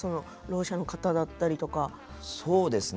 ろう者の方だったりとか。